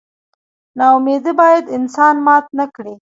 نا امیدي باید انسان مات نه کړي.